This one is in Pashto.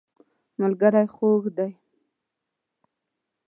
ملګری خوږ دی.